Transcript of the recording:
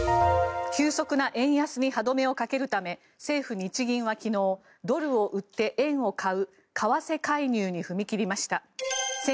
急速な円安に歯止めをかけるため政府・日銀は昨日ドルを売って円を買う為替介入に踏み切りました。